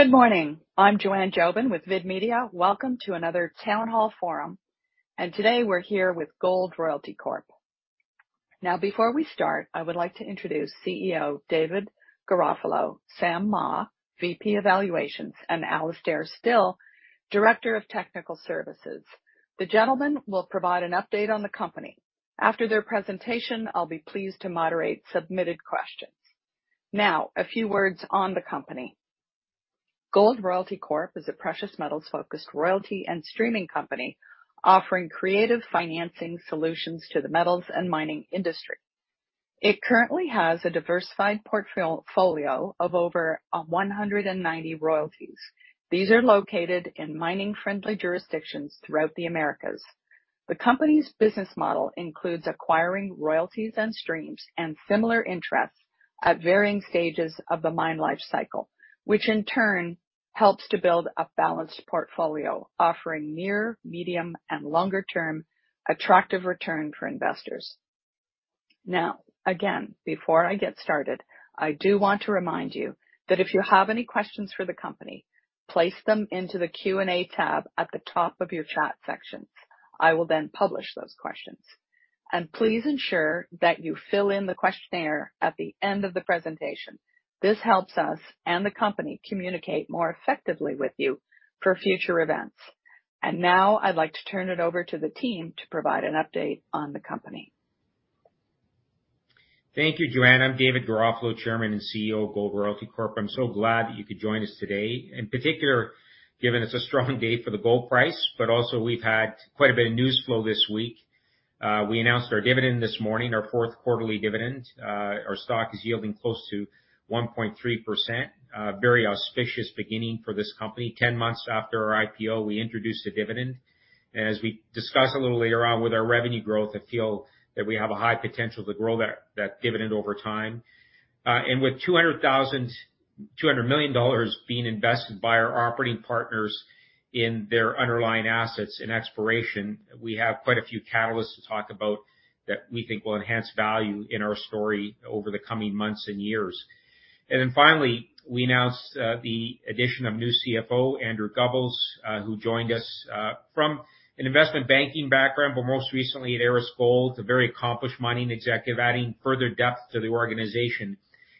Good morning. I'm Joanne Jobin with VID-MEDIA. Welcome to another town hall forum. Today we're here with Gold Royalty Corp. Now, before we start, I would like to introduce CEO David Garofalo, Sam Mah, VP Evaluations, and Alastair Still, Director of Technical Services. The gentlemen will provide an update on the company. After their presentation, I'll be pleased to moderate submitted questions. Now a few words on the company. Gold Royalty Corp is a precious metals-focused royalty and streaming company offering creative financing solutions to the metals and mining industry. It currently has a diversified portfolio of over 190 royalties. These are located in mining-friendly jurisdictions throughout the Americas. The company's business model includes acquiring royalties and streams and similar interests at varying stages of the mine life cycle, which in turn helps to build a balanced portfolio offering near, medium and longer term attractive return for investors. Again, before I get started, I do want to remind you that if you have any questions for the company, place them into the Q&A tab at the top of your chat sections. I will then publish those questions. Please ensure that you fill in the questionnaire at the end of the presentation. This helps us and the company communicate more effectively with you for future events. Now I'd like to turn it over to the team to provide an update on the company. Thank you, Joanne. I'm David Garofalo, Chairman and CEO of Gold Royalty Corp. I'm so glad that you could join us today, in particular, given it's a strong day for the gold price. Also we've had quite a bit of news flow this week. We announced our dividend this morning, our fourth quarterly dividend. Our stock is yielding close to 1.3%. Very auspicious beginning for this company. 10 months after our IPO, we introduced a dividend. As we discuss a little later on with our revenue growth, I feel that we have a high potential to grow that dividend over time. With $200 million being invested by our operating partners in their underlying assets and exploration, we have quite a few catalysts to talk about that we think will enhance value in our story over the coming months and years. Finally, we announced the addition of new CFO Andrew Gubbels, who joined us from an investment banking background, but most recently at Eldorado Gold, a very accomplished mining executive, adding further depth to the organization.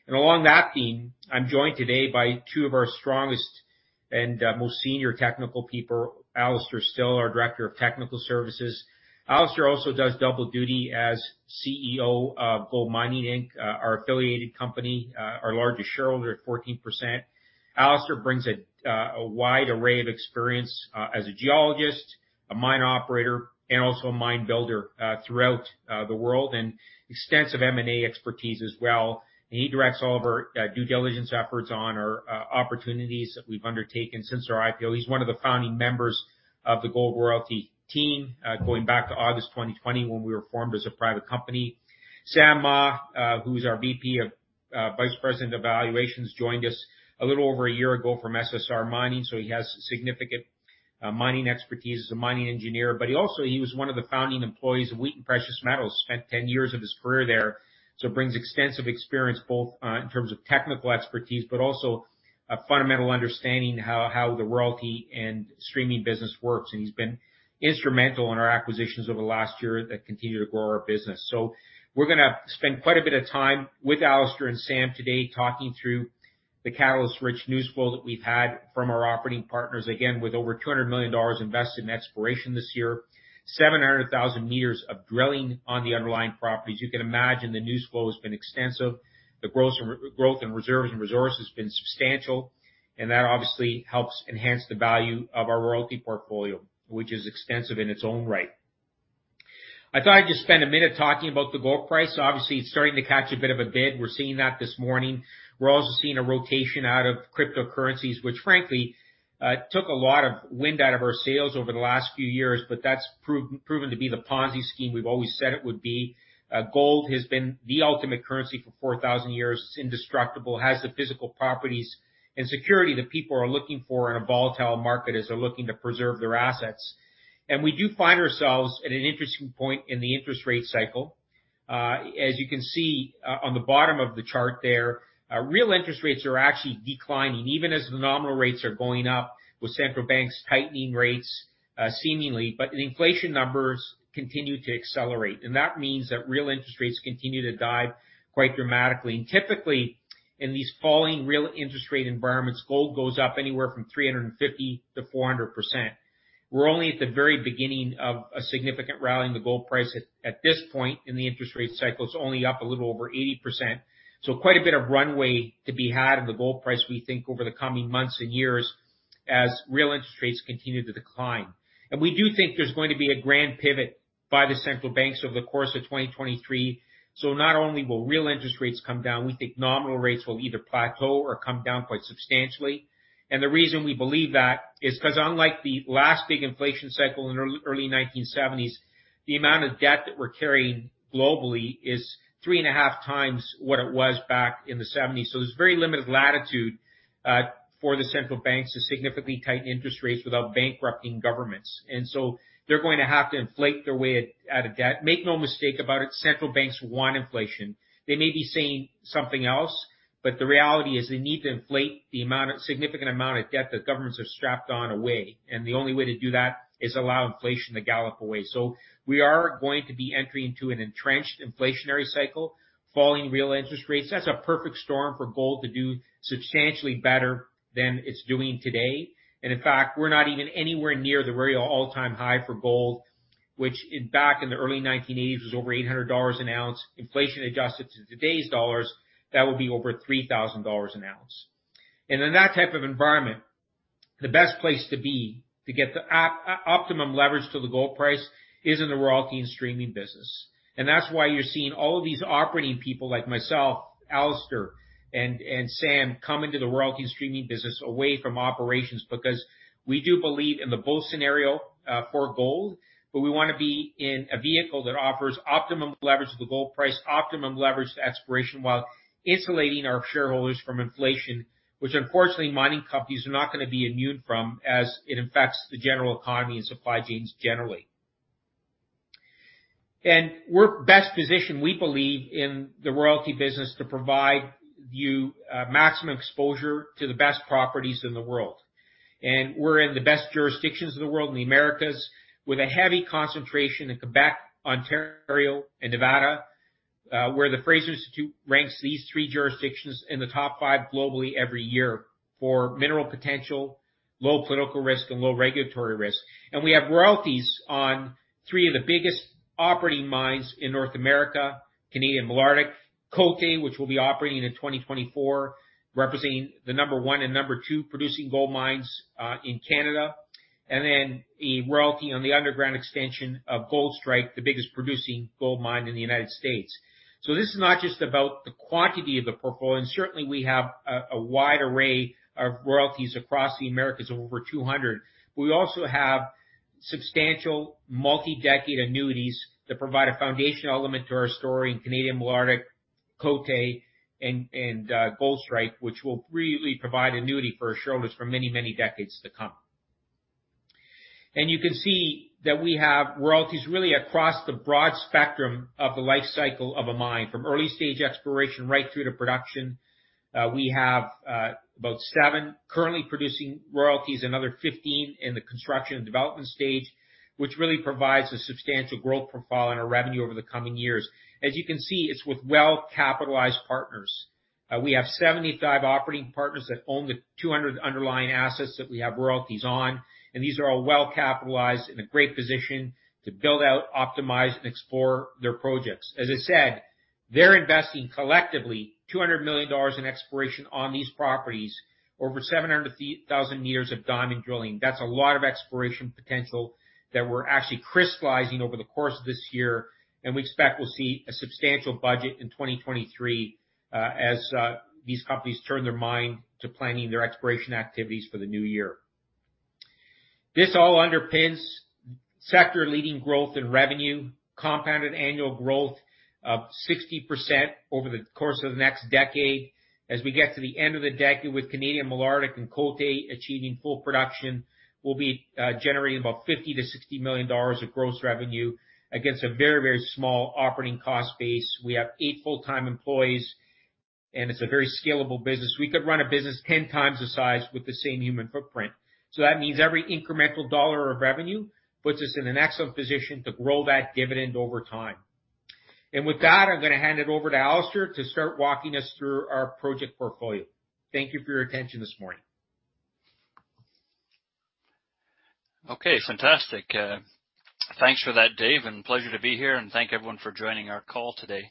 Along that theme, I'm joined today by two of our strongest and most senior technical people, Alastair Still, our Director of Technical Services. Alastair also does double duty as CEO of GoldMining Inc, our affiliated company, our largest shareholder at 14%. Alastair brings a wide array of experience as a geologist, a mine operator, and also a mine builder throughout the world, and extensive M&A expertise as well. He directs all of our due diligence efforts on our opportunities that we've undertaken since our IPO. He's one of the founding members of the Gold Royalty team, going back to August 2020, when we were formed as a private company. Sam Mah, who's our Vice President of Evaluations, joined us a little over a year ago from SSR Mining, he has significant mining expertise as a mining engineer. He also was one of the founding employees of Wheaton Precious Metals, spent 10 years of his career there. Brings extensive experience both, in terms of technical expertise, but also a fundamental understanding how the royalty and streaming business works. He's been instrumental in our acquisitions over the last year that continue to grow our business. We're gonna spend quite a bit of time with Alistair and Sam today talking through the catalyst-rich news flow that we've had from our operating partners. With over $200 million invested in exploration this year, 700,000 m of drilling on the underlying properties. You can imagine the news flow has been extensive. The growth in reserves and resources has been substantial. That obviously helps enhance the value of our royalty portfolio, which is extensive in its own right. I thought I'd just spend a minute talking about the gold price. Obviously, it's starting to catch a bit of a bid. We're seeing that this morning. We're also seeing a rotation out of cryptocurrencies, which frankly, took a lot of wind out of our sails over the last few years, but that's proven to be the Ponzi scheme we've always said it would be. Gold has been the ultimate currency for 4,000 years. It's indestructible, has the physical properties and security that people are looking for in a volatile market as they're looking to preserve their assets. We do find ourselves at an interesting point in the interest rate cycle. As you can see, on the bottom of the chart there, real interest rates are actually declining even as the nominal rates are going up with central banks tightening rates, seemingly. The inflation numbers continue to accelerate, and that means that real interest rates continue to dive quite dramatically. Typically, in these falling real interest rate environments, gold goes up anywhere from 350%-400%. We're only at the very beginning of a significant rally in the gold price at this point in the interest rate cycle. It's only up a little over 80%. Quite a bit of runway to be had in the gold price, we think, over the coming months and years as real interest rates continue to decline. We do think there's going to be a grand pivot by the central banks over the course of 2023. Not only will real interest rates come down, we think nominal rates will either plateau or come down quite substantially. The reason we believe that is 'cause unlike the last big inflation cycle in early 1970s, the amount of debt that we're carrying globally is 3.5 times what it was back in the 1970s. There's very limited latitude for the central banks to significantly tighten interest rates without bankrupting governments. They're going to have to inflate their way out of debt. Make no mistake about it, central banks want inflation. They may be saying something else, but the reality is they need to inflate the significant amount of debt that governments have strapped on away. The only way to do that is allow inflation to gallop away. We are going to be entering into an entrenched inflationary cycle, falling real interest rates. That's a perfect storm for gold to do substantially better than it's doing today. In fact, we're not even anywhere near the real all-time high for gold. Which back in the early 1980s was over $800 an ounce. Inflation adjusted to today's dollars, that would be over $3,000 an ounce. In that type of environment, the best place to be to get the optimum leverage to the gold price is in the royalty and streaming business. That's why you're seeing all of these operating people like myself, Alastair, and Sam come into the royalty and streaming business away from operations. We do believe in the bull scenario for gold, but we wanna be in a vehicle that offers optimum leverage to the gold price, optimum leverage to exploration, while insulating our shareholders from inflation, which unfortunately, mining companies are not gonna be immune from as it affects the general economy and supply chains generally. We're best positioned, we believe, in the royalty business to provide you maximum exposure to the best properties in the world. We're in the best jurisdictions in the world, in the Americas, with a heavy concentration in Quebec, Ontario, and Nevada, where the Fraser Institute ranks these three jurisdictions in the top five globally every year for mineral potential, low political risk, and low regulatory risk. We have royalties on three of the biggest operating mines in North America, Canadian Malartic, Cote, which will be operating in 2024, representing the number one and number two producing gold mines in Canada, and then a royalty on the underground extension of Goldstrike, the biggest producing gold mine in the United States. This is not just about the quantity of the portfolio, and certainly we have a wide array of royalties across the Americas of over 200. We also have substantial multi-decade annuities that provide a foundational element to our story in Canadian Malartic, Côté, and Goldstrike, which will really provide annuity for our shareholders for many, many decades to come. You can see that we have royalties really across the broad spectrum of the life cycle of a mine, from early stage exploration right through to production. We have about seven currently producing royalties, another 15 in the construction and development stage, which really provides a substantial growth profile in our revenue over the coming years. As you can see, it's with well-capitalized partners. We have 75 operating partners that own the 200 underlying assets that we have royalties on. These are all well capitalized, in a great position to build out, optimize, and explore their projects. As I said, they're investing collectively $200 million in exploration on these properties, over 700 thousand years of diamond drilling. That's a lot of exploration potential that we're actually crystallizing over the course of this year. We expect we'll see a substantial budget in 2023 as these companies turn their mind to planning their exploration activities for the new year. This all underpins sector-leading growth in revenue, compounded annual growth of 60% over the course of the next decade. As we get to the end of the decade with Canadian Malartic and Cote achieving full production, we'll be generating about $50 million-$60 million of gross revenue against a very, very small operating cost base. We have eight full-time employees. It's a very scalable business. We could run a business 10 times the size with the same human footprint. That means every incremental dollar of revenue puts us in an excellent position to grow that dividend over time. With that, I'm gonna hand it over to Alastair to start walking us through our project portfolio. Thank you for your attention this morning. Okay, fantastic. Thanks for that, Dave, and pleasure to be here. Thank everyone for joining our call today.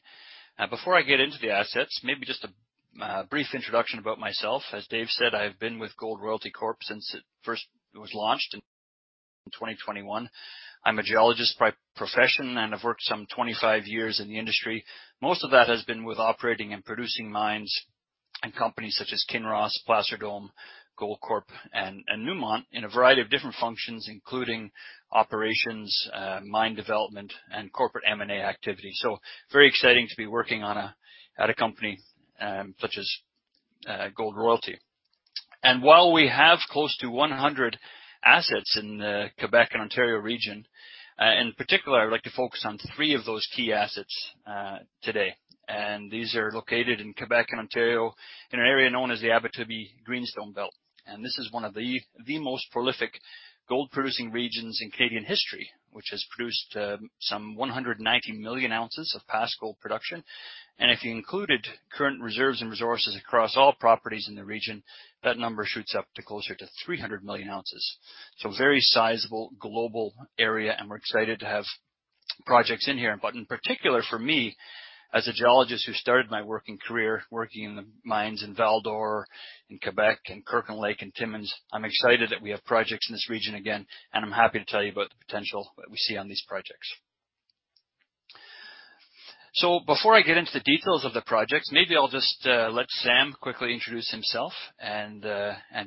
Before I get into the assets, maybe just a brief introduction about myself. As Dave said, I've been with Gold Royalty Corp since it first was launched in 2021. I'm a geologist by profession, and I've worked some 25 years in the industry. Most of that has been with operating and producing mines and companies such as Kinross, Placer Dome, Goldcorp, and Newmont in a variety of different functions, including operations, mine development, and corporate M&A activity. Very exciting to be working on a, at a company, such as Gold Royalty. While we have close to 100 assets in the Quebec and Ontario region, in particular, I'd like to focus on three of those key assets today. These are located in Quebec and Ontario in an area known as the Abitibi Greenstone Belt. This is one of the most prolific gold-producing regions in Canadian history, which has produced some 190 million ounces of past gold production. If you included current reserves and resources across all properties in the region, that number shoots up to closer to 300 million ounces. Very sizable global area, and we're excited to have projects in here. In particular for me, as a geologist who started my working career working in the mines in Val-d'Or, in Quebec, in Kirkland Lake, in Timmins, I'm excited that we have projects in this region again, and I'm happy to tell you about the potential that we see on these projects. Before I get into the details of the projects, maybe I'll just let Sam quickly introduce himself, and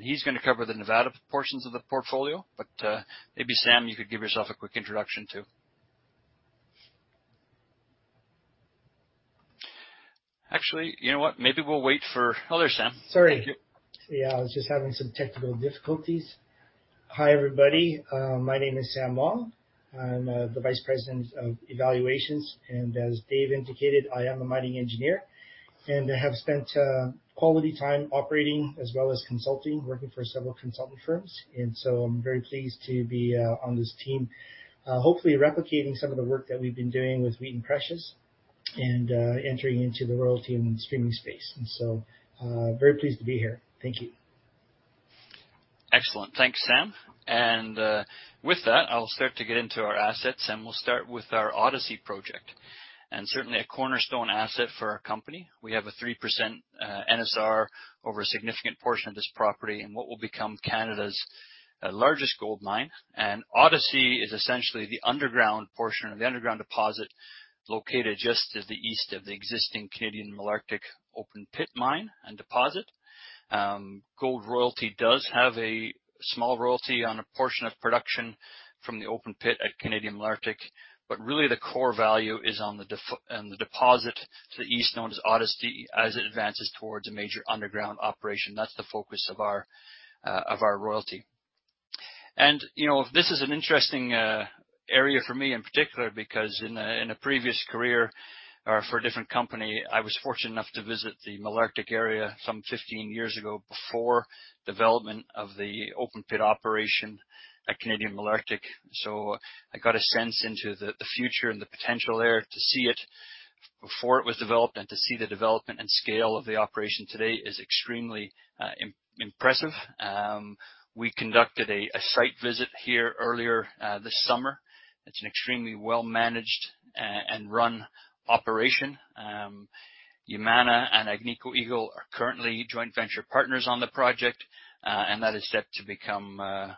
he's gonna cover the Nevada portions of the portfolio. Maybe Sam, you could give yourself a quick introduction too. Actually, you know what? Maybe we'll wait for. Hello, Sam. Sorry. Thank you. Yeah, I was just having some technical difficulties. Hi, everybody. My name is Sam Mah. I'm the vice president of evaluations. As Dave indicated, I am a mining engineer, and I have spent quality time operating as well as consulting, working for several consulting firms. I'm very pleased to be on this team, hopefully replicating some of the work that we've been doing with Wheaton Precious and entering into the royalty and streaming space. Very pleased to be here. Thank you. Excellent. Thanks, Sam. With that, I'll start to get into our assets, and we'll start with our Odyssey Project, and certainly a cornerstone asset for our company. We have a 3% NSR over a significant portion of this property in what will become Canada's largest gold mine. Odyssey is essentially the underground portion of the underground deposit located just to the east of the existing Canadian Malartic open-pit mine and deposit. Gold Royalty does have a small royalty on a portion of production from the open pit at Canadian Malartic, but really the core value is on the deposit to the east, known as Odyssey, as it advances towards a major underground operation. That's the focus of our royalty. You know, this is an interesting area for me, in particular, because in a previous career, for a different company, I was fortunate enough to visit the Malartic area some 15 years ago before development of the open-pit operation at Canadian Malartic. I got a sense into the future and the potential there to see it before it was developed and to see the development and scale of the operation today is extremely impressive. We conducted a site visit here earlier this summer. It's an extremely well-managed and run operation. Yamana and Agnico Eagle are currently joint venture partners on the project, and that is set to become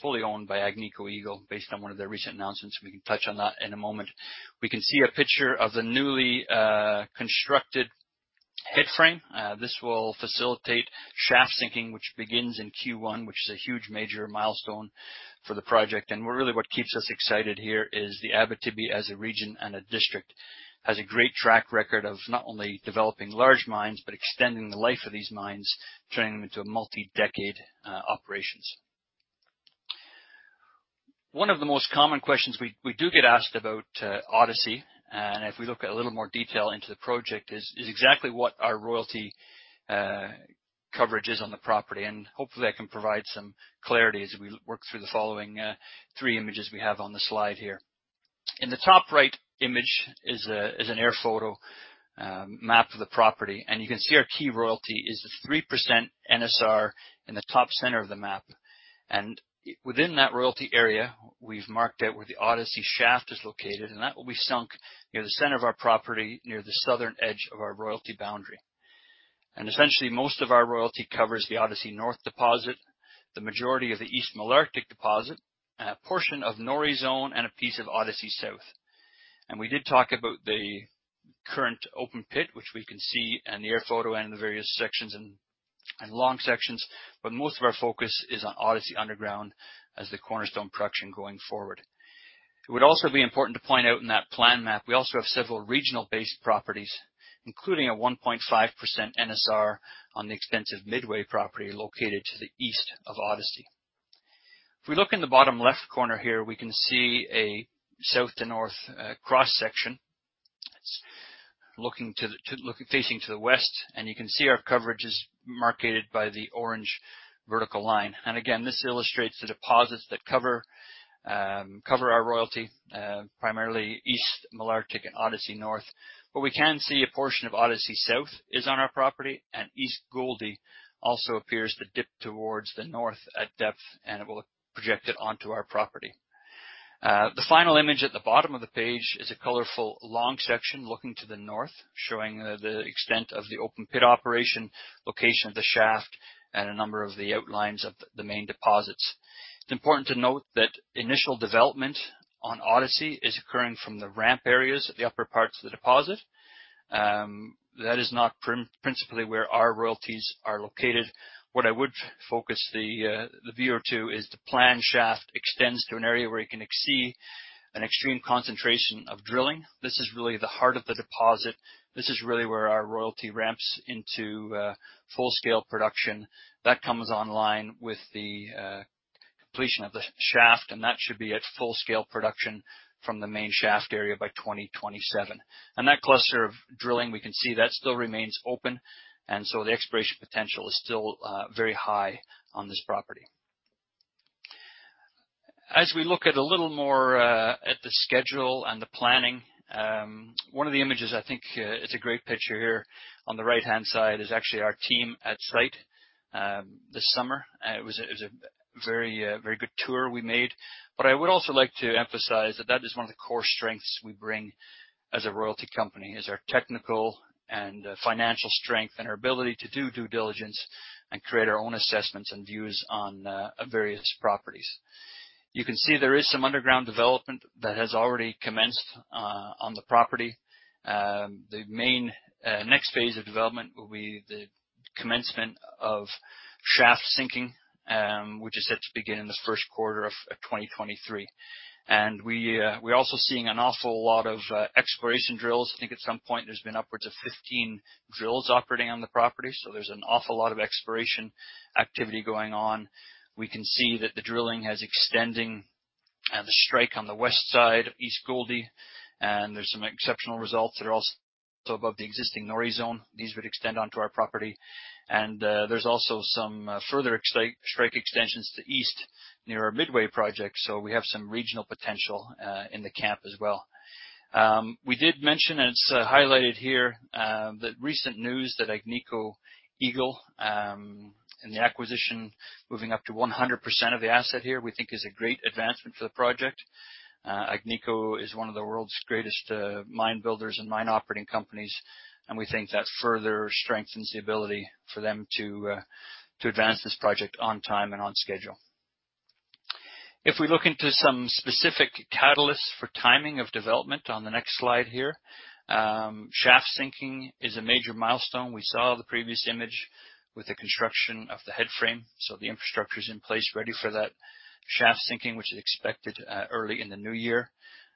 fully owned by Agnico Eagle based on one of their recent announcements. We can touch on that in a moment. We can see a picture of the newly constructed headframe. This will facilitate shaft sinking, which begins in Q1, which is a huge major milestone for the project. Really what keeps us excited here is the Abitibi as a region and a district has a great track record of not only developing large mines, but extending the life of these mines, turning them into multi-decade operations. One of the most common questions we do get asked about Odyssey, and if we look at a little more detail into the project, is exactly what our royalty coverage is on the property, and hopefully I can provide some clarity as we work through the following three images we have on the slide here. In the top right image is a, is an air photo, map of the property. You can see our key royalty is the 3% NSR in the top center of the map. Within that royalty area, we've marked out where the Odyssey shaft is located, and that will be sunk near the center of our property, near the southern edge of our royalty boundary. Essentially, most of our royalty covers the Odyssey North deposit, the majority of the East Malartic deposit, a portion of Norrie Zone, and a piece of Odyssey South. We did talk about the current open pit, which we can see in the air photo and the various sections and long sections, but most of our focus is on Odyssey Underground as the cornerstone production going forward. It would also be important to point out in that plan map, we also have several regional-based properties, including a 1.5% NSR on the extensive Midway property located to the east of Odyssey. If we look in the bottom left corner here, we can see a south to north cross-section. It's looking facing to the west, and you can see our coverage is marked by the orange vertical line. Again, this illustrates the deposits that cover our royalty, primarily East Malartic and Odyssey North. We can see a portion of Odyssey South is on our property, and East Gouldie also appears to dip towards the north at depth, and it will project it onto our property. The final image at the bottom of the page is a colorful long section looking to the north, showing the extent of the open pit operation, location of the shaft, and a number of the outlines of the main deposits. It's important to note that initial development on Odyssey is occurring from the ramp areas at the upper parts of the deposit. That is not principally where our royalties are located. What I would focus the view to is the planned shaft extends to an area where you can exceed an extreme concentration of drilling. This is really the heart of the deposit. This is really where our royalty ramps into full-scale production. That comes online with the completion of the shaft, and that should be at full-scale production from the main shaft area by 2027. That cluster of drilling, we can see that still remains open. The exploration potential is still very high on this property. As we look at a little more at the schedule and the planning, one of the images I think it's a great picture here on the right-hand side is actually our team at site this summer. It was a very, very good tour we made. I would also like to emphasize that that is one of the core strengths we bring as a royalty company, is our technical and financial strength and our ability to do due diligence and create our own assessments and views on various properties. You can see there is some underground development that has already commenced on the property. The main next phase of development will be the commencement of shaft sinking, which is set to begin in the first quarter of 2023. We're also seeing an awful lot of exploration drills. I think at some point there's been upwards of 15 drills operating on the property, so there's an awful lot of exploration activity going on. We can see that the drilling has extending the strike on the west side of East Gouldie. And there's some exceptional results that are also above the existing Norrie Zone. These would extend onto our property. There's also some further ex-strike extensions to east near our Midway project. We have some regional potential in the camp as well. We did mention, and it's highlighted here, that recent news that Agnico Eagle in the acquisition moving up to 100% of the asset here, we think is a great advancement for the project. Agnico is one of the world's greatest mine builders and mine operating companies. We think that further strengthens the ability for them to advance this project on time and on schedule. If we look into some specific catalysts for timing of development on the next slide here, shaft sinking is a major milestone. We saw the previous image with the construction of the headframe, so the infrastructure is in place ready for that shaft sinking, which is expected early in the new year.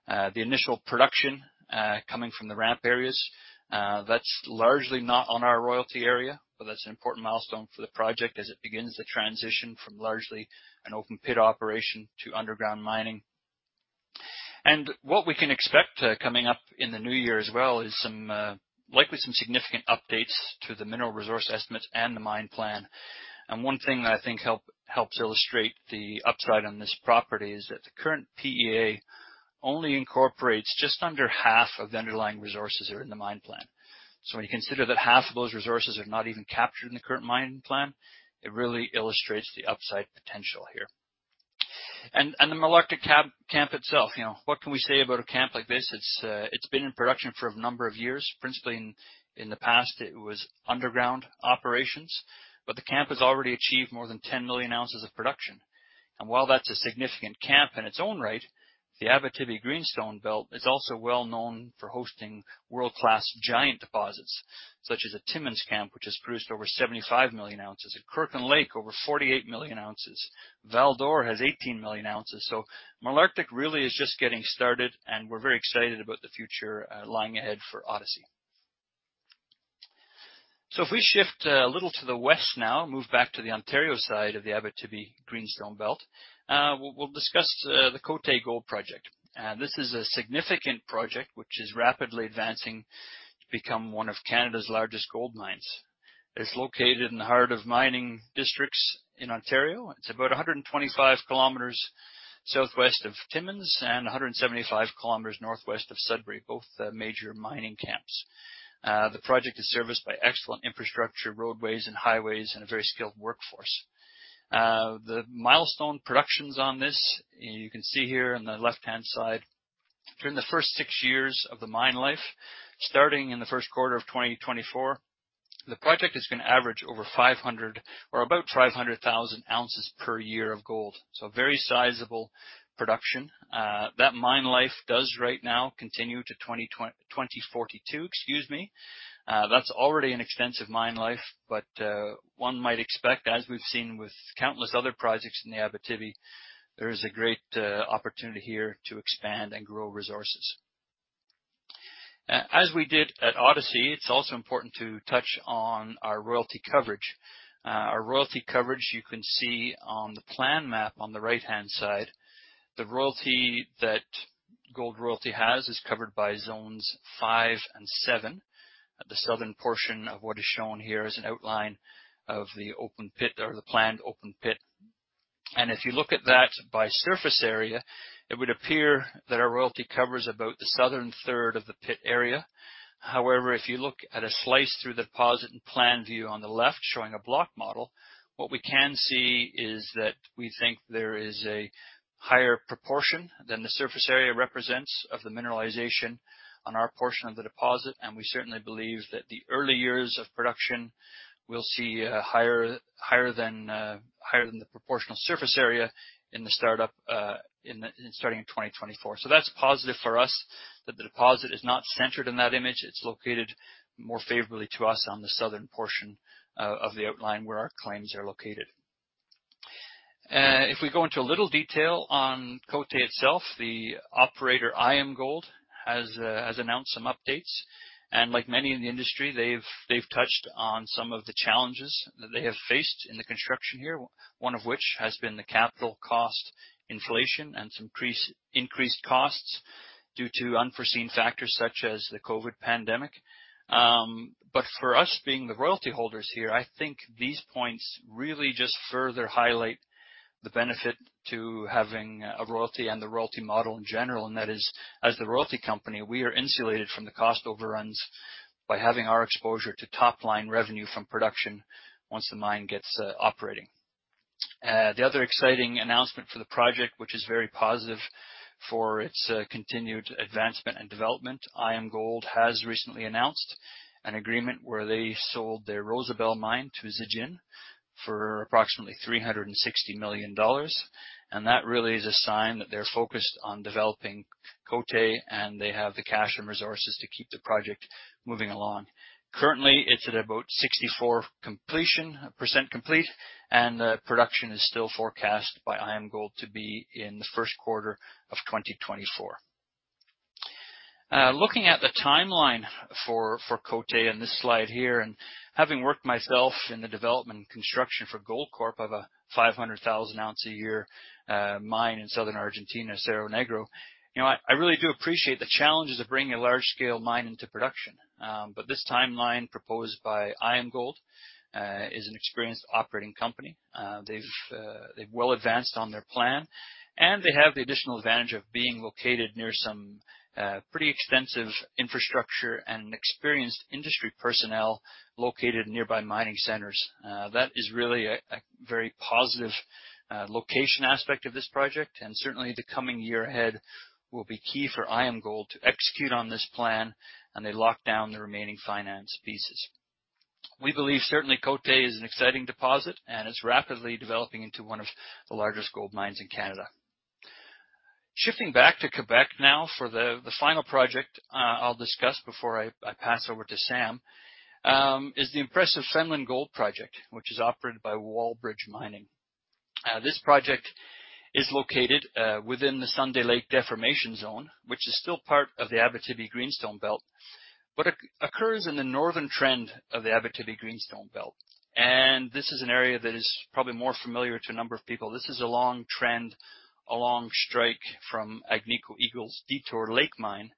The initial production, coming from the ramp areas, that's largely not on our royalty area, but that's an important milestone for the project as it begins to transition from largely an open pit operation to underground mining. What we can expect, coming up in the new year as well is some, likely some significant updates to the mineral resource estimates and the mine plan. One thing that I think helps illustrate the upside on this property is that the current PEA only incorporates just under half of the underlying resources that are in the mine plan. When you consider that half of those resources are not even captured in the current mine plan, it really illustrates the upside potential here. The Malartic camp itself, you know, what can we say about a camp like this? It's been in production for a number of years, principally in the past, it was underground operations, but the camp has already achieved more than 10 million ounces of production. While that's a significant camp in its own right, the Abitibi Greenstone Belt is also well known for hosting world-class giant deposits, such as a Timmins camp, which has produced over 75 million oz. At Kirkland Lake, over 48 million oz. Val d'Or has 18 million oz. Malartic really is just getting started, and we're very excited about the future lying ahead for Odyssey. If we shift a little to the west now, move back to the Ontario side of the Abitibi Greenstone Belt, we'll discuss the Côté Gold Project. This is a significant project which is rapidly advancing to become one of Canada's largest gold mines. It's located in the heart of mining districts in Ontario. It's about 125 km southwest of Timmins and 175 km northwest of Sudbury, both major mining camps. The project is serviced by excellent infrastructure, roadways and highways, and a very skilled workforce. The milestone productions on this, you can see here on the left-hand side, during the first six years of the mine life, starting in the first quarter of 2024, the project is gonna average over 500 or about 500,000 oz per year of gold. Very sizable production. That mine life does right now continue to 2042, excuse me. That's already an extensive mine life, one might expect, as we've seen with countless other projects in the Abitibi, there is a great opportunity here to expand and grow resources. As we did at Odyssey, it's also important to touch on our royalty coverage. Our royalty coverage you can see on the plan map on the right-hand side. The royalty that Gold Royalty has is covered by zones five and seven. The southern portion of what is shown here is an outline of the open pit or the planned open pit. If you look at that by surface area, it would appear that our royalty covers about the southern third of the pit area. If you look at a slice through the deposit and plan view on the left showing a block model, what we can see is that we think there is a higher proportion than the surface area represents of the mineralization on our portion of the deposit, and we certainly believe that the early years of production will see a higher than the proportional surface area in the start up, in starting in 2024. That's positive for us that the deposit is not centered in that image. It's located more favorably to us on the southern portion of the outline where our claims are located. If we go into a little detail on Côté itself, the operator IAMGOLD has announced some updates. Like many in the industry, they've touched on some of the challenges that they have faced in the construction here, one of which has been the capital cost inflation and some increased costs due to unforeseen factors such as the COVID pandemic. For us being the royalty holders here, I think these points really just further highlight the benefit to having a royalty and the royalty model in general, and that is, as the royalty company, we are insulated from the cost overruns by having our exposure to top-line revenue from production once the mine gets operating. The other exciting announcement for the project, which is very positive for its continued advancement and development, IAMGOLD has recently announced an agreement where they sold their Rosebel mine to Zijin for approximately $360 million. That really is a sign that they're focused on developing Côté, and they have the cash and resources to keep the project moving along. Currently, it's at about 64 completion, percent complete, and the production is still forecast by IAMGOLD to be in the first quarter of 2024. Looking at the timeline for Côté in this slide here, and having worked myself in the development and construction for Goldcorp of a 500,000 oz a year mine in Southern Argentina, Cerro Negro. You know, I really do appreciate the challenges of bringing a large scale mine into production. This timeline proposed by IAMGOLD is an experienced operating company. They've well advanced on their plan, and they have the additional advantage of being located near some pretty extensive infrastructure and experienced industry personnel located nearby mining centers. That is really a very positive location aspect of this project, and certainly the coming year ahead will be key for IAMGOLD to execute on this plan, and they lock down the remaining finance pieces. We believe certainly Côté is an exciting deposit, and it's rapidly developing into one of the largest gold mines in Canada. Shifting back to Québec now for the final project I'll discuss before I pass over to Sam is the impressive Fenelon Gold Project, which is operated by Wallbridge Mining. This project is located within the Sunday Lake Deformation Zone, which is still part of the Abitibi Greenstone Belt, but occurs in the northern trend of the Abitibi Greenstone Belt. This is an area that is probably more familiar to a number of people. This is a long trend, a long strike from Agnico Eagle's Detour Lake Mine,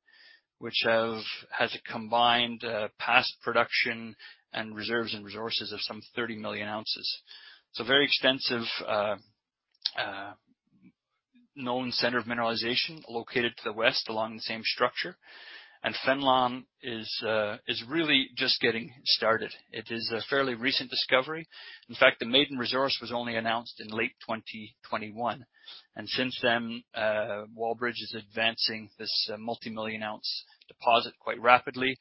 which has a combined, past production and reserves and resources of some 30 million oz. It's a very extensive, known center of mineralization located to the west, along the same structure. Fenelon is really just getting started. It is a fairly recent discovery. In fact, the maiden resource was only announced in late 2021. Since then, Wallbridge is advancing this multimillion-ounce deposit quite rapidly.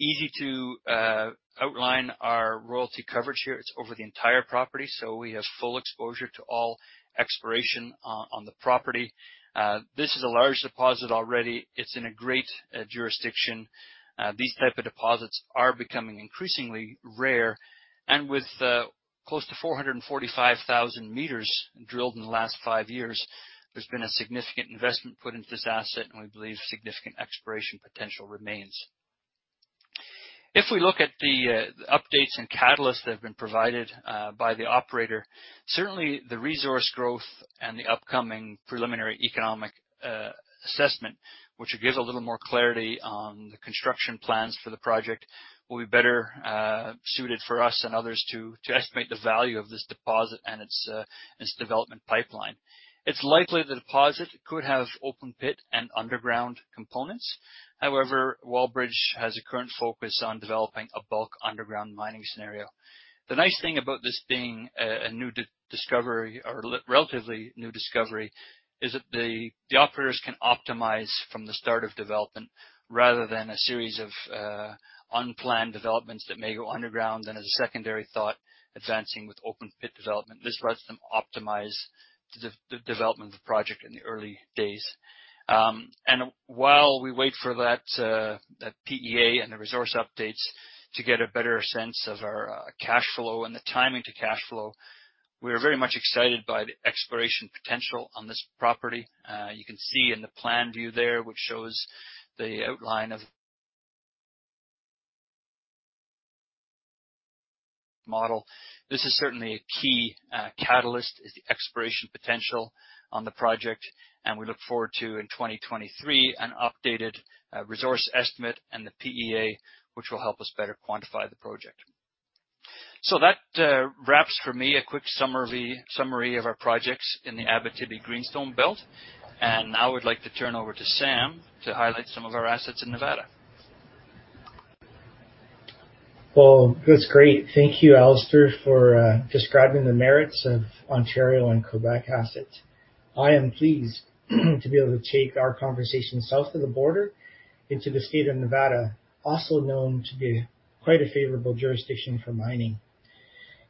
Easy to outline our royalty coverage here. It's over the entire property, so we have full exposure to all exploration on the property. This is a large deposit already. It's in a great jurisdiction. These type of deposits are becoming increasingly rare. With close to 445,000 m drilled in the last five years, there's been a significant investment put into this asset, and we believe significant exploration potential remains. If we look at the updates and catalysts that have been provided by the operator, certainly the resource growth and the upcoming preliminary economic assessment, which will give a little more clarity on the construction plans for the project, will be better suited for us and others to estimate the value of this deposit and its development pipeline. It's likely the deposit could have open pit and underground components. However, Wallbridge has a current focus on developing a bulk underground mining scenario. The nice thing about this being a new discovery or relatively new discovery is that the operators can optimize from the start of development rather than a series of unplanned developments that may go underground, and as a secondary thought, advancing with open pit development. This lets them optimize the development of the project in the early days. And while we wait for that PEA and the resource updates to get a better sense of our cash flow and the timing to cash flow, we are very much excited by the exploration potential on this property. You can see in the plan view there, which shows the outline of model. This is certainly a key catalyst, is the exploration potential on the project, and we look forward to, in 2023, an updated resource estimate and the PEA, which will help us better quantify the project. That wraps for me a quick summary of our projects in the Abitibi Greenstone Belt. Now I would like to turn over to Sam to highlight some of our assets in Nevada. Well, that's great. Thank you, Alastair, for describing the merits of Ontario and Quebec assets. I am pleased to be able to take our conversation south of the border into the state of Nevada, also known to be quite a favorable jurisdiction for mining.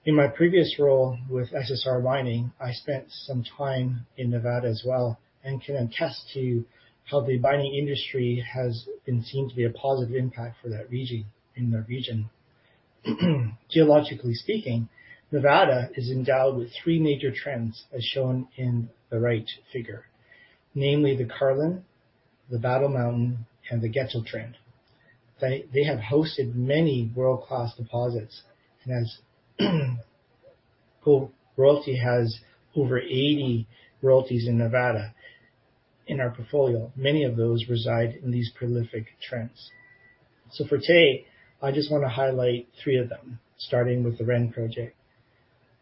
In my previous role with SSR Mining, I spent some time in Nevada as well and can attest to how the mining industry has been seen to be a positive impact for that region, in the region. Geologically speaking, Nevada is endowed with three major trends, as shown in the right figure, namely the Carlin, the Battle Mountain, and the Getchell trend. They have hosted many world-class deposits, and as Gold Royalty has over 80 royalties in Nevada in our portfolio, many of those reside in these prolific trends. For today, I just wanna highlight three of them, starting with the Ren Project.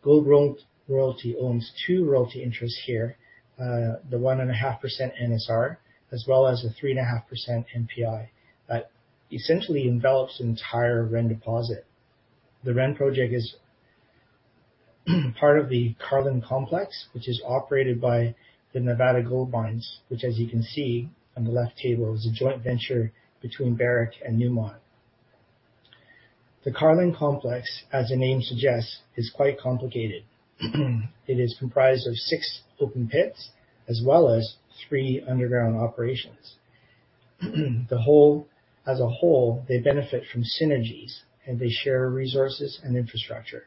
Gold Growth Royalty owns two royalty interests here, the 1.5% NSR, as well as a 3.5% NPI that essentially envelops the entire Ren deposit. The Ren project is part of the Carlin Complex, which is operated by Nevada Gold Mines, which, as you can see on the left table, is a joint venture between Barrick and Newmont. The Carlin Complex, as the name suggests, is quite complicated. It is comprised of six open pits as well as three underground operations. As a whole, they benefit from synergies, and they share resources and infrastructure.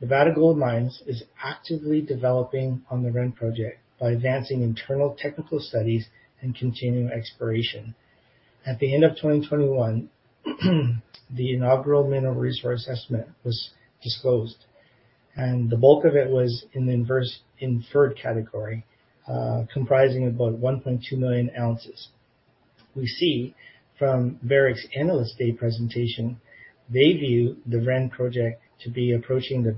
Nevada Gold Mines is actively developing on the Ren Project by advancing internal technical studies and continuing exploration. At the end of 2021, the inaugural mineral resource estimate was disclosed, and the bulk of it was in the inferred category, comprising about 1.2 million oz. We see from Barrick's Analyst Day presentation, they view the Ren Project to be approaching the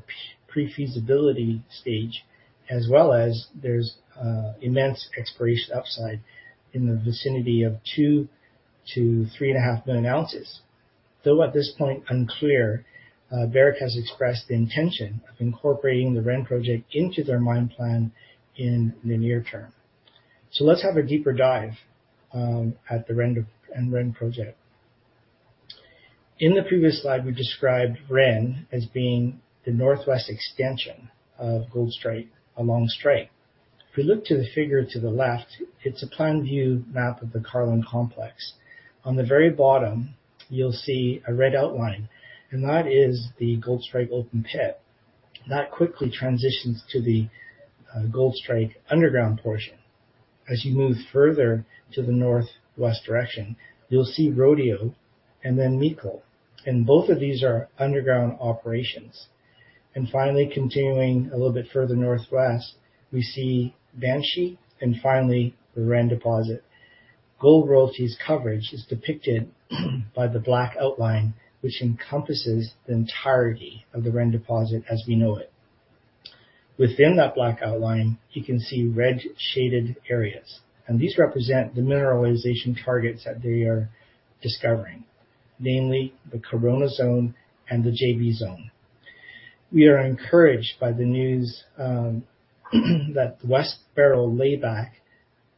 pre-feasibility stage as well as there's immense exploration upside in the vicinity of 2 to 3.5 million oz. Though at this point unclear, Barrick has expressed the intention of incorporating the Ren Project into their mine plan in the near term. Let's have a deeper dive at the Ren Project. In the previous slide, we described Ren as being the northwest extension of Goldstrike along strike. If we look to the figure to the left, it's a plan view map of the Carlin complex. On the very bottom, you'll see a red outline, and that is the Goldstrike open pit. That quickly transitions to the Goldstrike underground portion. As you move further to the northwest direction, you'll see Rodeo and then Meikle. Both of these are underground operations. Finally, continuing a little bit further northwest, we see Banshee and finally the Ren deposit. Gold Royalty's coverage is depicted by the black outline, which encompasses the entirety of the Ren deposit as we know it. Within that black outline, you can see red shaded areas, and these represent the mineralization targets that they are discovering, namely the Corona Zone and the JB Zone. We are encouraged by the news that the West Barrel layback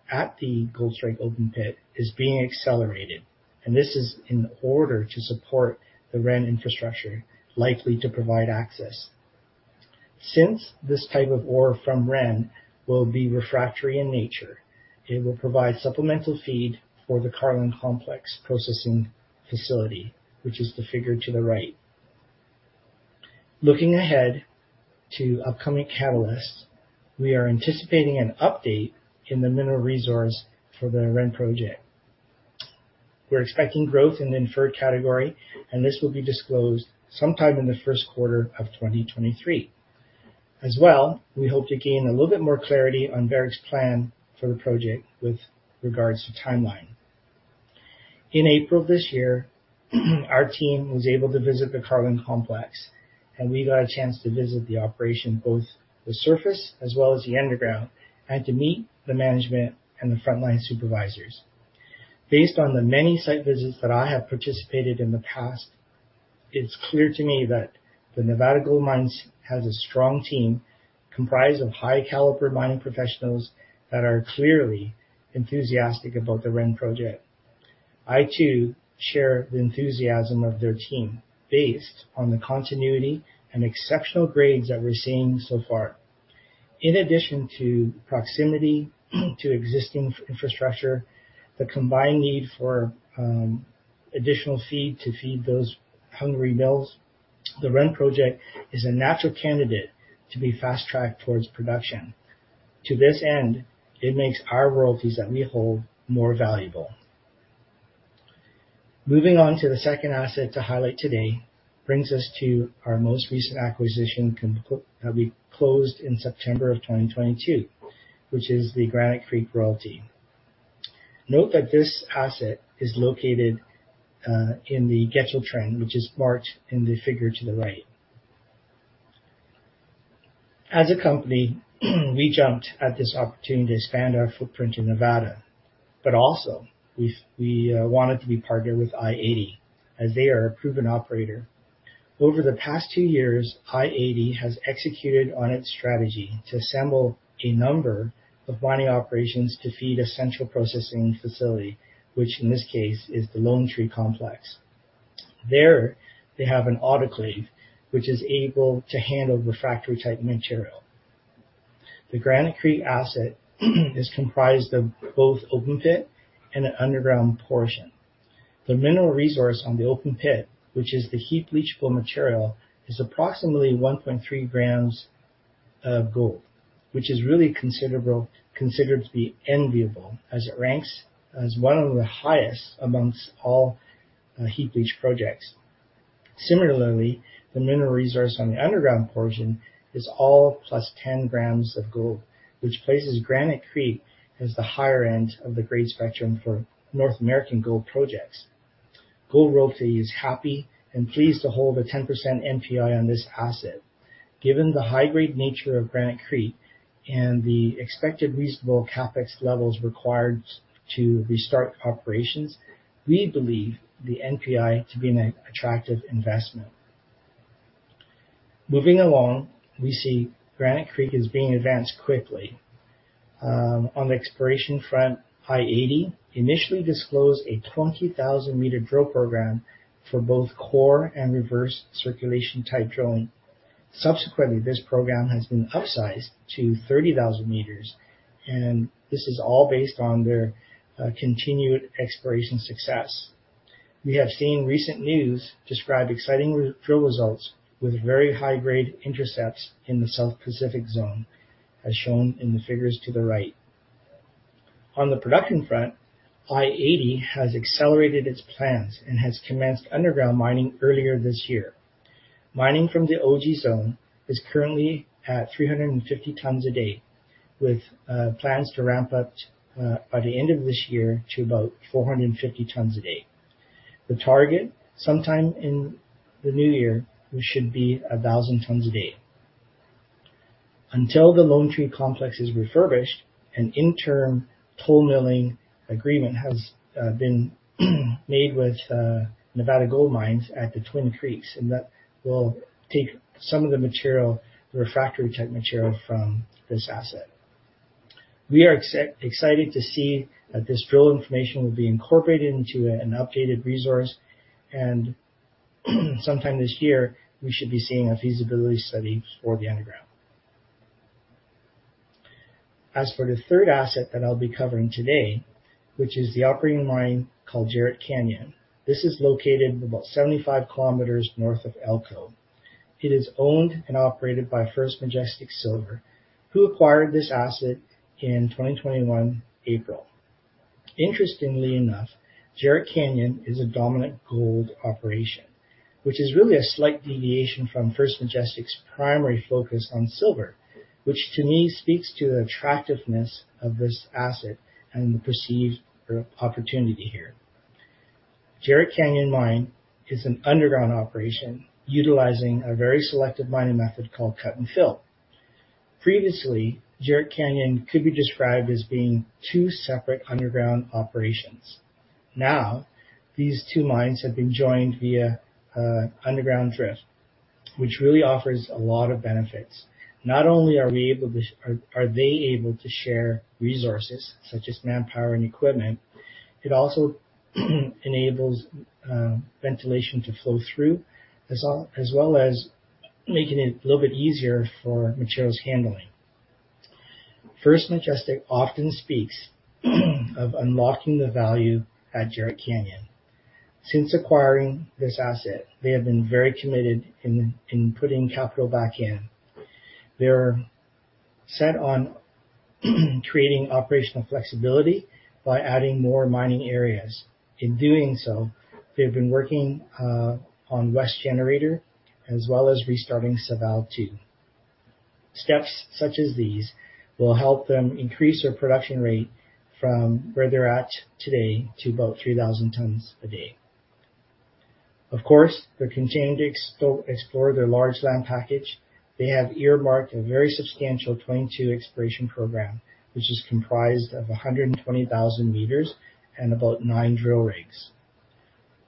at the Goldstrike open pit is being accelerated, and this is in order to support the Ren infrastructure likely to provide access. Since this type of ore from Ren will be refractory in nature, it will provide supplemental feed for the Carlin Complex processing facility, which is the figure to the right. Looking ahead to upcoming catalysts, we are anticipating an update in the mineral resource for the Ren Project. We're expecting growth in the inferred category, and this will be disclosed sometime in the first quarter of 2023. As well, we hope to gain a little bit more clarity on Barrick's plan for the project with regards to timeline. In April this year, our team was able to visit the Carlin Complex, and we got a chance to visit the operation, both the surface as well as the underground, and to meet the management and the frontline supervisors. Based on the many site visits that I have participated in the past, it's clear to me that the Nevada Gold Mines has a strong team comprised of high-caliber mining professionals that are clearly enthusiastic about the Ren Project. I too share the enthusiasm of their team based on the continuity and exceptional grades that we're seeing so far. In addition to proximity to existing infrastructure, the combined need for additional feed to feed those hungry mills, the Ren Project is a natural candidate to be fast-tracked towards production. To this end, it makes our royalties that we hold more valuable. Moving on to the second asset to highlight today brings us to our most recent acquisition we closed in September of 2022, which is the Granite Creek Royalty. Note that this asset is located in the Getchell Trend, which is marked in the figure to the right. As a company, we jumped at this opportunity to expand our footprint in Nevada, also we wanted to be partnered with i-80 as they are a proven operator. Over the past two years, i-80 has executed on its strategy to assemble a number of mining operations to feed a central processing facility, which in this case is the Lone Tree complex. There they have an autoclave, which is able to handle refractory type material. The Granite Creek asset is comprised of both open pit and an underground portion. The mineral resource on the open pit, which is the heap leachable material, is approximately 1.3 grams of gold, which is considered to be enviable as it ranks as one of the highest amongst all, heap leach projects. Similarly, the mineral resource on the underground portion is all plus 10 g of gold, which places Granite Creek as the higher end of the grade spectrum for North American gold projects. Gold Royalty is happy and pleased to hold a 10% NPI on this asset. Given the high-grade nature of Granite Creek and the expected reasonable CapEx levels required to restart operations, we believe the NPI to be an attractive investment. Moving along, we see Granite Creek is being advanced quickly. On the exploration front, i-80 initially disclosed a 20,000 m drill program for both core and reverse circulation type drilling. Subsequently, this program has been upsized to 30,000 m. This is all based on their continued exploration success. We have seen recent news describe exciting re- drill results with very high grade intercepts in the South Pacific Zone, as shown in the figures to the right. On the production front, i-80 has accelerated its plans and has commenced underground mining earlier this year. Mining from the OG zone is currently at 350 tons a day, with plans to ramp up by the end of this year to about 450 tons a day. The target, sometime in the new year, we should be 1,000 tons a day. Until the Lone Tree complex is refurbished, an interim toll milling agreement has been made with Nevada Gold Mines at the Twin Creeks, and that will take some of the material, the refractory type material from this asset. We are excited to see that this drill information will be incorporated into an updated resource, and sometime this year, we should be seeing a feasibility study for the underground. As for the third asset that I'll be covering today, which is the operating mine called Jerritt Canyon. This is located about 75 km north of Elko. It is owned and operated by First Majestic Silver, who acquired this asset in 2021 April. Interestingly enough, Jerritt Canyon is a dominant gold operation, which is really a slight deviation from First Majestic's primary focus on silver, which to me speaks to the attractiveness of this asset and the perceived opportunity here. Jerritt Canyon Mine is an underground operation utilizing a very selective mining method called cut and fill. Previously, Jerritt Canyon could be described as being two separate underground operations. Now, these two mines have been joined via underground drift, which really offers a lot of benefits. Not only are we able to Are they able to share resources such as manpower and equipment, it also enables ventilation to flow through, as well as making it a little bit easier for materials handling. First Majestic often speaks of unlocking the value at Jerritt Canyon. Since acquiring this asset, they have been very committed in putting capital back in. They're set on creating operational flexibility by adding more mining areas. In doing so, they've been working on West Generator as well as restarting Saval II. Steps such as these will help them increase their production rate from where they're at today to about 3,000 tons a day. Of course, they're continuing to explore their large land package. They have earmarked a very substantial 2022 exploration program, which is comprised of 120,000 m and about nine drill rigs.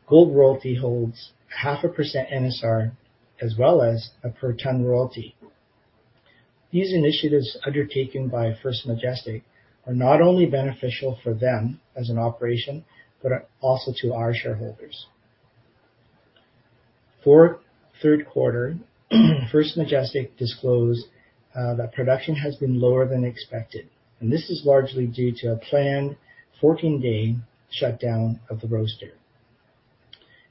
Gold Royalty holds 0.5% NSR as well as a per ton royalty. These initiatives undertaken by First Majestic are not only beneficial for them as an operation, but also to our shareholders. For third quarter, First Majestic disclosed that production has been lower than expected, and this is largely due to a planned 14-day shutdown of the roaster.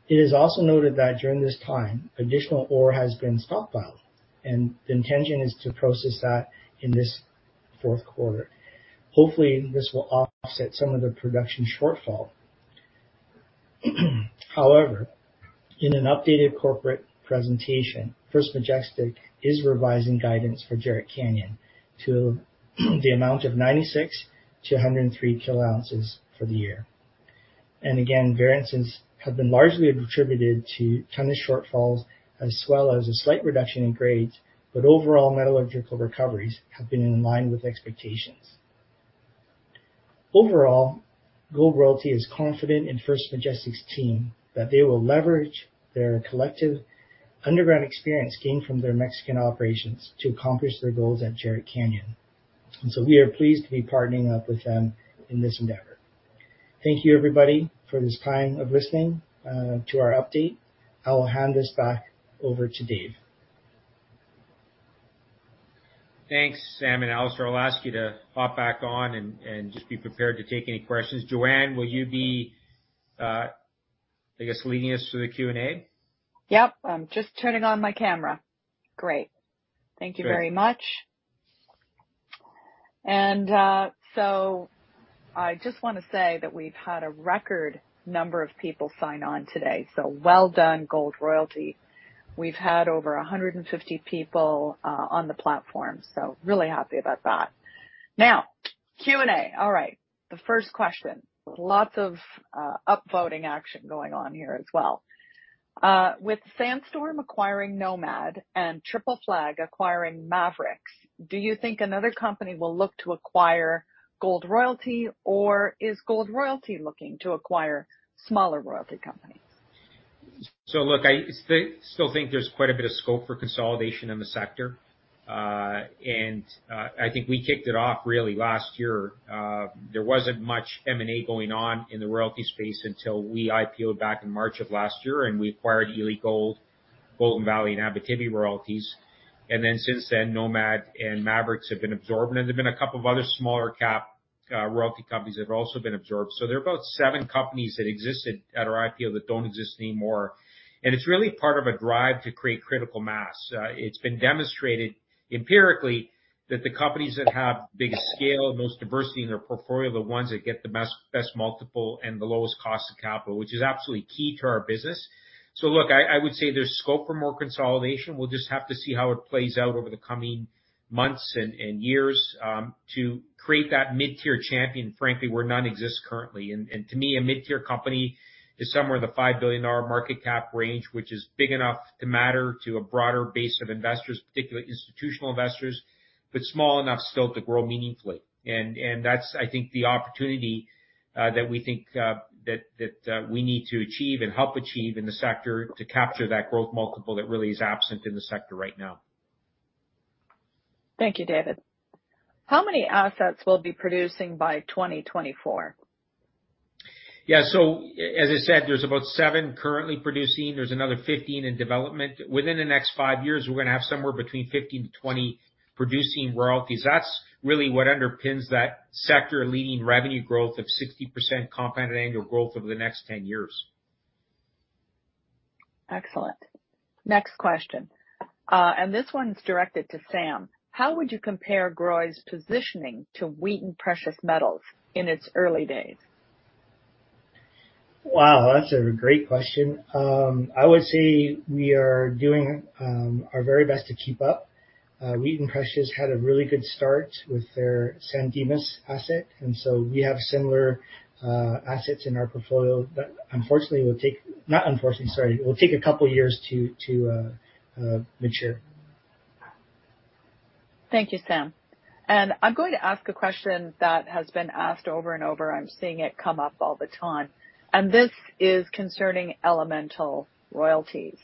It is also noted that during this time, additional ore has been stockpiled, and the intention is to process that in this fourth quarter. Hopefully, this will offset some of the production shortfall. In an updated corporate presentation, First Majestic is revising guidance for Jerritt Canyon to the amount of 96 to 103 kilo oz for the year. Again, variances have been largely attributed to tonnage shortfalls as well as a slight reduction in grades, but overall metallurgical recoveries have been in line with expectations. Overall, Gold Royalty is confident in First Majestic's team that they will leverage their collective underground experience gained from their Mexican operations to accomplish their goals at Jerritt Canyon. We are pleased to be partnering up with them in this endeavor. Thank you, everybody, for this time of listening to our update. I will hand this back over to Dave. Thanks, Sam and Alastair. I'll ask you to hop back on and just be prepared to take any questions. Joanne, will you be, I guess, leading us through the Q&A? Yep. I'm just turning on my camera. Great. Thank you very much. I just wanna say that we've had a record number of people sign on today. Well done, Gold Royalty. We've had over 150 people on the platform, so really happy about that. Now, Q&A. All right, the first question. Lots of up voting action going on here as well. With Sandstorm acquiring Nomad and Triple Flag acquiring Maverix, do you think another company will look to acquire Gold Royalty or is Gold Royalty looking to acquire smaller royalty companies? look, I still think there's quite a bit of scope for consolidation in the sector. I think we kicked it off really last year. There wasn't much M&A going on in the royalty space until we IPO-ed back in March of last year, and we acquired Ely Gold, Golden Valley and Abitibi Royalties. Since then, Nomad and Maverix have been absorbed, and there've been a couple of other smaller cap royalty companies that have also been absorbed. There are about seven companies that existed at our IPO that don't exist anymore. It's really part of a drive to create critical mass. It's been demonstrated empirically that the companies that have the scale and the most diversity in their portfolio are the ones that get the best multiple and the lowest cost of capital, which is absolutely key to our business. Look, I would say there's scope for more consolidation. We'll just have to see how it plays out over the coming months and years to create that mid-tier champion, frankly, where none exists currently. To me, a mid-tier company is somewhere in the $5 billion market cap range, which is big enough to matter to a broader base of investors, particularly institutional investors, but small enough still to grow meaningfully. That's, I think, the opportunity, that we think, that, we need to achieve and help achieve in the sector to capture that growth multiple that really is absent in the sector right now. Thank you, David. How many assets will be producing by 2024? As I said, there's about seven currently producing. There's another 15 in development. Within the next five years, we're gonna have somewhere between 15-20 producing royalties. That's really what underpins that sector-leading revenue growth of 60% compounded annual growth over the next 10 years. Excellent. Next question, this one is directed to Sam Mah. How would you compare Gold Royalty's positioning to Wheaton Precious Metals in its early days? Wow, that's a great question. I would say we are doing our very best to keep up. Wheaton Precious had a really good start with their San Dimas asset. We have similar assets in our portfolio that unfortunately will take... Not unfortunately, sorry. It will take a couple of years to mature. Thank you, Sam. I'm going to ask a question that has been asked over and over. I'm seeing it come up all the time, and this is concerning Elemental Royalties.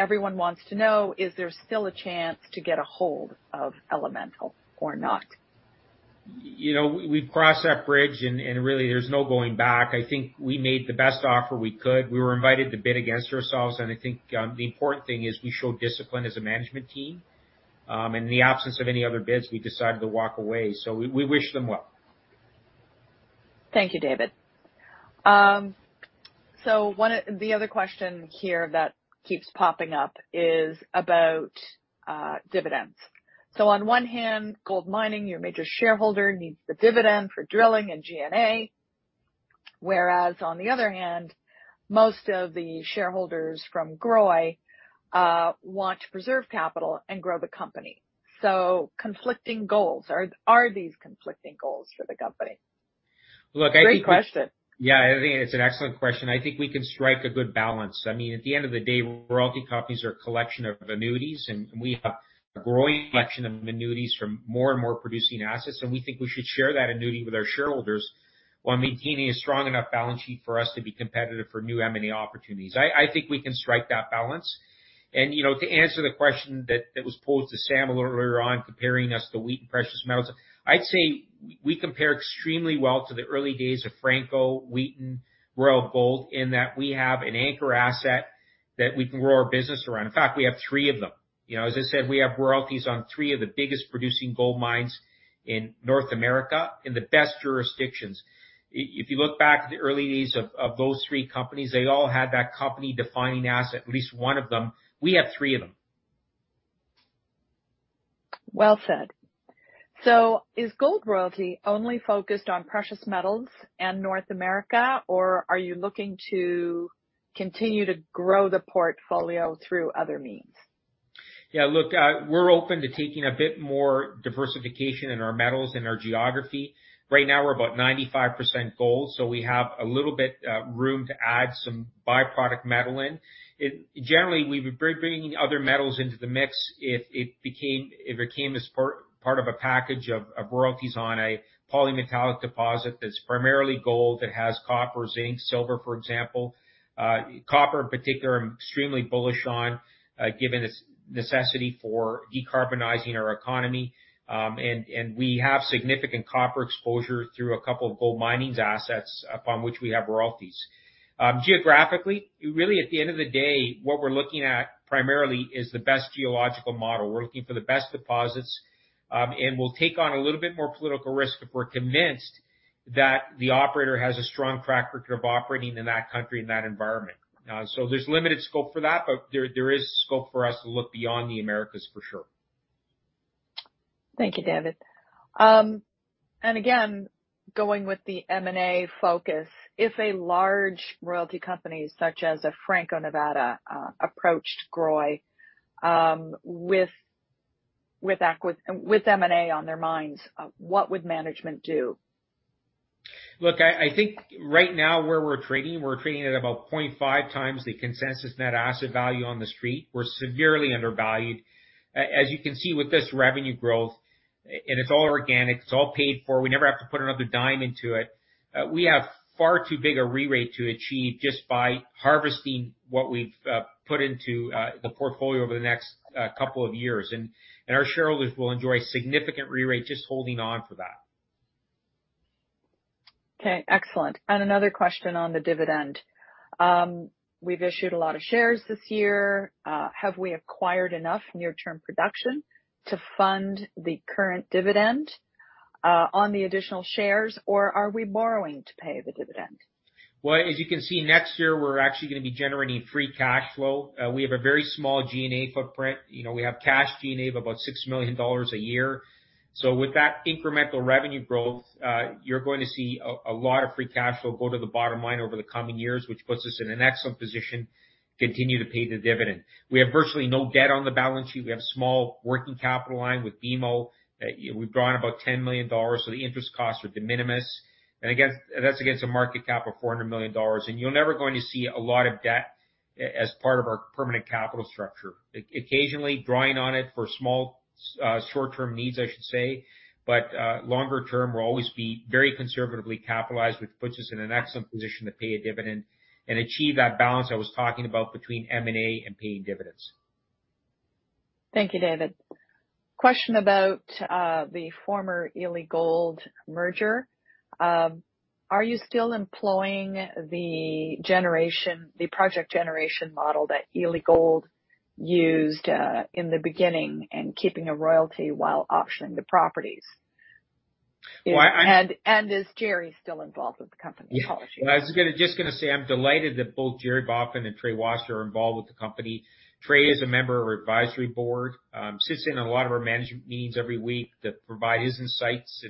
Everyone wants to know, is there still a chance to get a hold of Elemental or not? You know, we've crossed that bridge, and really there's no going back. I think we made the best offer we could. We were invited to bid against ourselves, I think, the important thing is we showed discipline as a management team. In the absence of any other bids, we decided to walk away. We wish them well. Thank you, David. One of the other question here that keeps popping up is about dividends. On one hand, GoldMining, your major shareholder, needs the dividend for drilling and G&A, whereas on the other hand, most of the shareholders from Grow want to preserve capital and grow the company. Conflicting goals. Are these conflicting goals for the company? Look. Great question. Yeah, I think it's an excellent question. I think we can strike a good balance. I mean, at the end of the day, royalty companies are a collection of annuities, and we have a growing collection of annuities from more and more producing assets, and we think we should share that annuity with our shareholders while maintaining a strong enough balance sheet for us to be competitive for new M&A opportunities. I think we can strike that balance. You know, to answer the question that was posed to Samuel Mah a little earlier on comparing us to Wheaton Precious Metals, I'd say we compare extremely well to the early days of Franco, Wheaton, Royal Gold in that we have an anchor asset that we can grow our business around. In fact, we have three of them. You know, as I said, we have royalties on three of the biggest producing gold mines in North America, in the best jurisdictions. If you look back at the early days of those three companies, they all had that company-defining asset, at least one of them. We have three of them. Well said. Is Gold Royalty only focused on precious metals and North America, or are you looking to continue to grow the portfolio through other means? Yeah, look, we're open to taking a bit more diversification in our metals and our geography. Right now we're about 95% gold, so we have a little bit, room to add some byproduct metal in. Generally, we would be bringing other metals into the mix if it came as part of a package of royalties on a polymetallic deposit that's primarily gold that has copper, zinc, silver, for example. Copper in particular, I'm extremely bullish on, given its necessity for decarbonizing our economy. We have significant copper exposure through a couple of GoldMining's assets upon which we have royalties. Geographically, really at the end of the day, what we're looking at primarily is the best geological model. We're looking for the best deposits, and we'll take on a little bit more political risk if we're convinced that the operator has a strong track record of operating in that country, in that environment. There's limited scope for that, but there is scope for us to look beyond the Americas for sure. Thank you, David. Again, going with the M&A focus, if a large royalty company such as a Franco-Nevada approached Gold Royalty with M&A on their minds, what would management do? Look, I think right now where we're trading, we're trading at about 0.5 times the consensus net asset value on the street. We're severely undervalued. As you can see with this revenue growth, and it's all organic, it's all paid for, we never have to put another dime into it. We have far too big a rerate to achieve just by harvesting what we've put into the portfolio over the next couple of years. Our shareholders will enjoy significant rerate just holding on for that. Okay, excellent. Another question on the dividend. We've issued a lot of shares this year. Have we acquired enough near-term production to fund the current dividend on the additional shares or are we borrowing to pay the dividend? Well, as you can see, next year we're actually gonna be generating free cash flow. We have a very small G&A footprint. You know, we have cash G&A of about $6 million a year. With that incremental revenue growth, you're going to see a lot of free cash flow go to the bottom line over the coming years, which puts us in an excellent position, continue to pay the dividend. We have virtually no debt on the balance sheet. We have small working capital line with BMO. You know, we've drawn about $10 million, so the interest costs are de minimis. That's against a market cap of $400 million. You're never gonna see a lot of debt as part of our permanent capital structure. Occasionally drawing on it for small, short-term needs, I should say. Longer term, we'll always be very conservatively capitalized, which puts us in an excellent position to pay a dividend and achieve that balance I was talking about between M&A and paying dividends. Thank you, David. Question about the former Ely Gold merger. Are you still employing the generation, the project generation model that Ely Gold used in the beginning and keeping a royalty while auctioning the properties? Well, Is Jerry still involved with the company at all? I was just gonna say I'm delighted that both Jerry Baughman and Trey Wasser are involved with the company. Trey is a member of our advisory board, sits in on a lot of our management meetings every week to provide his insights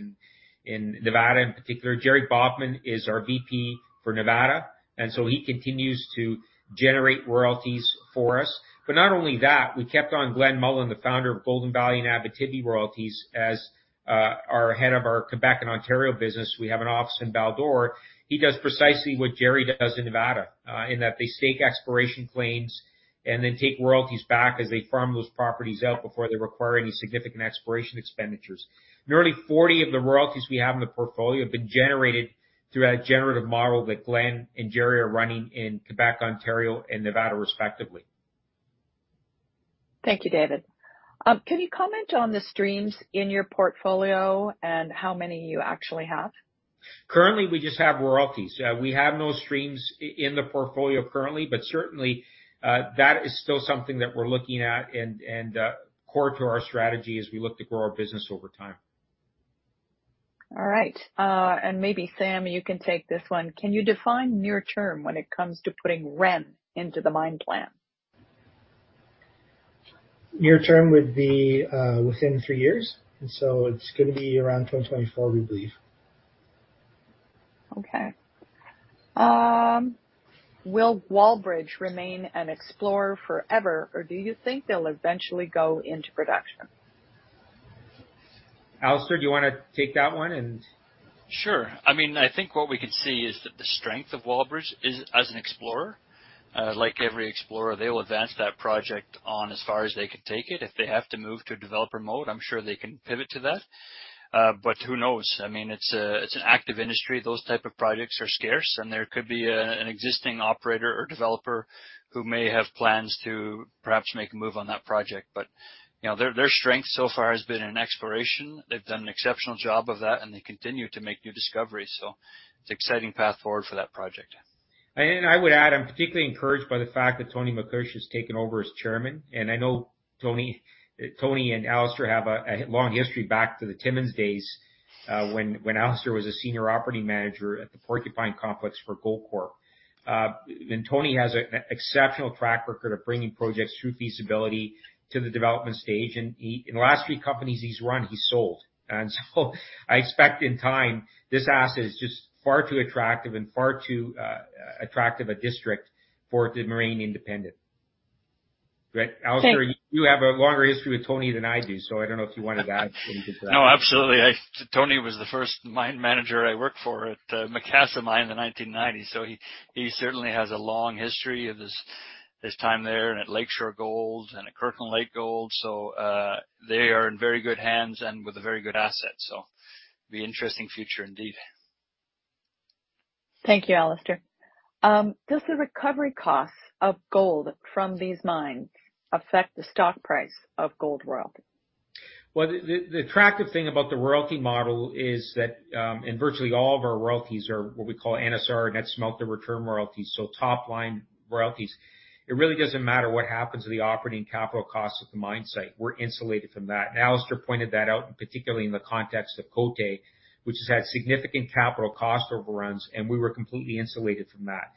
in Nevada in particular. Jerry Baughman is our VP for Nevada, he continues to generate royalties for us. Not only that, we kept on Glenn Mullan, the founder of Golden Valley and Abitibi Royalties, as our head of our Quebec and Ontario business. We have an office in Val-d'Or. He does precisely what Jerry does in Nevada, in that they stake exploration claims and then take royalties back as they farm those properties out before they require any significant exploration expenditures. Nearly 40 of the royalties we have in the portfolio have been generated through that generative model that Glenn and Jerry are running in Quebec, Ontario and Nevada, respectively. Thank you, David. Can you comment on the streams in your portfolio and how many you actually have? Currently, we just have royalties. We have no streams in the portfolio currently, but certainly, that is still something that we're looking at and, core to our strategy as we look to grow our business over time. All right. Maybe Sam, you can take this one. Can you define near term when it comes to putting Ren into the mine plan? Near term would be within three years, and so it's gonna be around 2024, we believe. Okay. Will Wallbridge remain an explorer forever, or do you think they'll eventually go into production? Alastair, do you wanna take that one? Sure. I mean, I think what we can see is that the strength of Wallbridge is as an explorer. Like every explorer, they will advance that project on as far as they can take it. If they have to move to developer mode, I'm sure they can pivot to that. Who knows? I mean, it's an active industry. Those type of projects are scarce, and there could be an existing operator or developer who may have plans to perhaps make a move on that project. You know, their strength so far has been in exploration. They've done an exceptional job of that, and they continue to make new discoveries. It's an exciting path forward for that project. I would add, I'm particularly encouraged by the fact that Tony Makuch has taken over as chairman. I know Tony and Alastair have a long history back to the Timmins days, when Alastair was a senior operating manager at the Porcupine Complex for Goldcorp. Tony has an exceptional track record of bringing projects through feasibility to the development stage. He in the last few companies he's run, he sold. I expect in time, this asset is just far too attractive and far too attractive a district for it to remain independent, right? Alastair, you have a longer history with Tony than I do, so I don't know if you wanted to add anything to that. No, absolutely. Tony was the first mine manager I worked for at Macassa Mine in the 1990s. He certainly has a long history of his time there and at Lake Shore Gold and at Kirkland Lake Gold. They are in very good hands and with a very good asset. It'll be interesting future indeed. Thank you, Alastair. Does the recovery costs of gold from these mines affect the stock price of Gold Royalty? Well, the attractive thing about the royalty model is that virtually all of our royalties are what we call NSR, net smelter return royalties, so top line royalties. It really doesn't matter what happens to the operating capital costs at the mine site. We're insulated from that. Alastair pointed that out, and particularly in the context of Côté, which has had significant capital cost overruns, and we were completely insulated from that.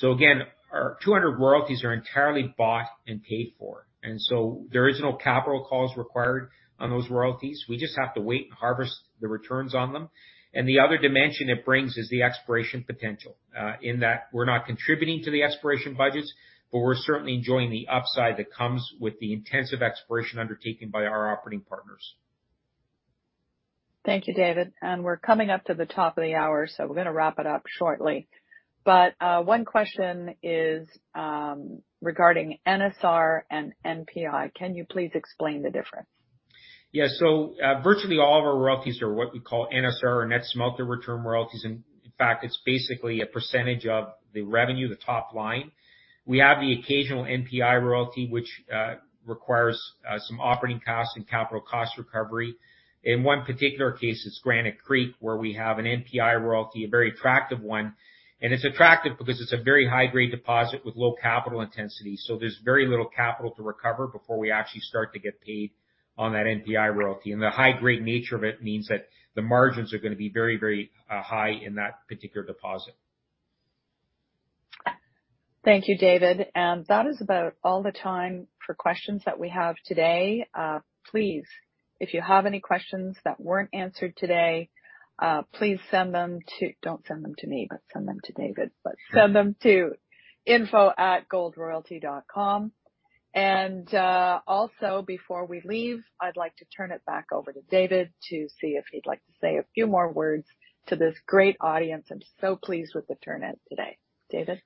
Again, our 200 royalties are entirely bought and paid for, and so there is no capital cost required on those royalties. We just have to wait and harvest the returns on them. The other dimension it brings is the exploration potential in that we're not contributing to the exploration budgets, but we're certainly enjoying the upside that comes with the intensive exploration undertaken by our operating partners. Thank you, David. We're coming up to the top of the hour, so we're gonna wrap it up shortly. One question is regarding NSR and NPI. Can you please explain the difference? Virtually all of our royalties are what we call NSR, net smelter return royalties. In fact, it's basically a percentage of the revenue, the top line. We have the occasional NPI royalty, which requires some operating costs and capital cost recovery. In one particular case, it's Granite Creek, where we have an NPI royalty, a very attractive one. It's attractive because it's a very high-grade deposit with low capital intensity, so there's very little capital to recover before we actually start to get paid on that NPI royalty. The high-grade nature of it means that the margins are gonna be very, very high in that particular deposit. Thank you, David. That is about all the time for questions that we have today. Please, if you have any questions that weren't answered today, please send them to... Don't send them to me, send them to David. Send them to info@goldroyalty.com. Also, before we leave, I'd like to turn it back over to David to see if he'd like to say a few more words to this great audience. I'm so pleased with the turnout today. David?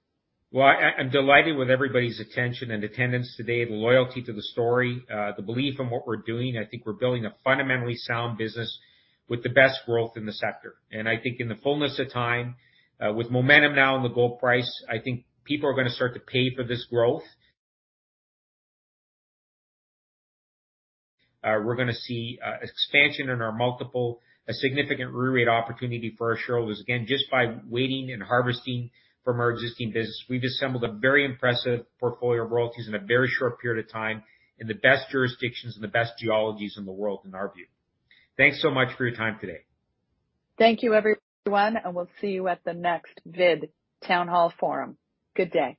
Well, I'm delighted with everybody's attention and attendance today, the loyalty to the story, the belief in what we're doing. I think we're building a fundamentally sound business with the best growth in the sector. I think in the fullness of time, with momentum now in the gold price, I think people are gonna start to pay for this growth. We're gonna see, expansion in our multiple, a significant re-rate opportunity for our shareholders, again, just by waiting and harvesting from our existing business. We've assembled a very impressive portfolio of royalties in a very short period of time in the best jurisdictions and the best geologies in the world, in our view. Thanks so much for your time today. Thank you, everyone, and we'll see you at the next VID Town Hall forum. Good day.